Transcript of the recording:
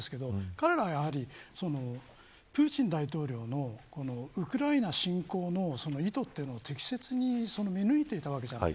彼らはやはり、プーチン大統領のウクライナ侵攻の意図というのを適切に見抜いていたわけです。